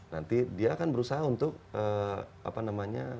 nanti dia akan berusaha untuk apa namanya